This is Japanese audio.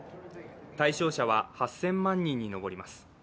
対象者は８０００万人に上ります。